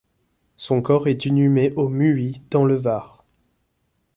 Son corps est inhumé au Muy dans le Var.